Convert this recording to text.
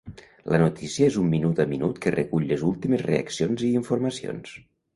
La notícia és un minut a minut que recull les últimes reaccions i informacions.